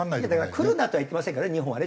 来るなとはいってませんからね日本はね